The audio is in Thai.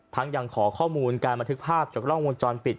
ยังขอข้อมูลการบันทึกภาพจากกล้องวงจรปิด